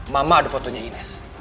mama ada fotonya ines